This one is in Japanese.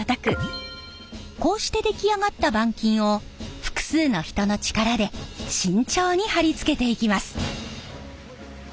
こうして出来上がった板金を複数の人の力で慎重に貼り付けていきます。